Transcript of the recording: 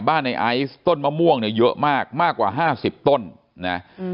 ในไอซ์ต้นมะม่วงเนี่ยเยอะมากมากกว่าห้าสิบต้นนะอืม